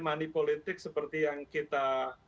money politik seperti yang kita